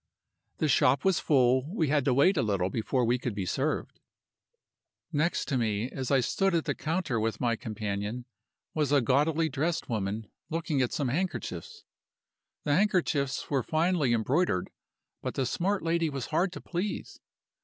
"The shop was full; we had to wait a little before we could be served. "Next to me, as I stood at the counter with my companion, was a gaudily dressed woman, looking at some handkerchiefs. The handkerchiefs were finely embroidered, but the smart lady was hard to please.